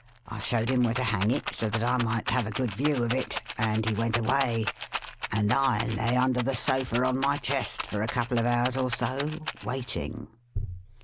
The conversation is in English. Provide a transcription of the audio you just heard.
I showed him where to hang it, so that I might have a good view of it ; and he went away ; and I lay under the sofa on my chest, for a couple of hours or so, waiting.